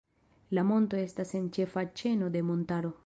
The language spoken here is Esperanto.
La monto estas en ĉefa ĉeno de montaro.